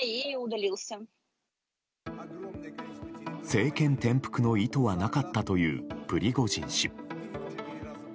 政権転覆の意図はなかったというプリゴジン氏。